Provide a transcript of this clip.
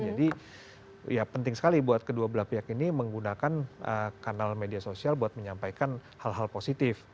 ya penting sekali buat kedua belah pihak ini menggunakan kanal media sosial buat menyampaikan hal hal positif